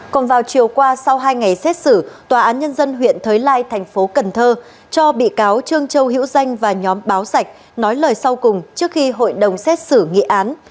còn vào chiều qua sau hai ngày xét xử tòa án nhân dân huyện thới lai thành phố cần thơ cho bị cáo trương châu hữu danh và nhóm báo sạch nói lời sau cùng trước khi hội đồng xét xử nghị án